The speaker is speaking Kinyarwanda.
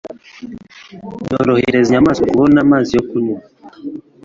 byorohereza inyamaswa kubona amazi yo kunywa.